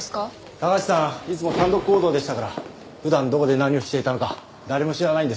高橋さんいつも単独行動でしたから普段どこで何をしていたのか誰も知らないんです。